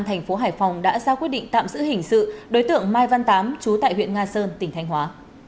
tp hải phòng đã ra quyết định tạm giữ hình sự đối tượng mai văn tám trú tại huyện nga sơn tỉnh thanh hóa